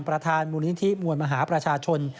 ประธานมูลนิธิมวลมหาประชาชน